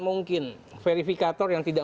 mungkin verifikator yang tidak